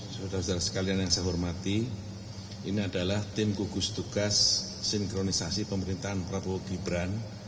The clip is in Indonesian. saudara saudara sekalian yang saya hormati ini adalah tim gugus tugas sinkronisasi pemerintahan prabowo gibran